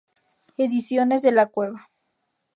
Ediciones de la Cueva.